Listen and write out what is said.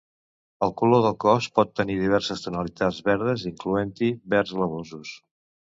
El color del cos pot tenir diverses tonalitats verdes, incloent-hi verds blavosos.